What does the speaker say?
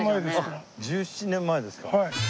あっ１７年前ですか。